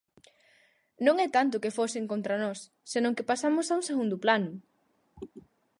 Non é tanto que fosen contra nós, senón que pasamos a un segundo plano.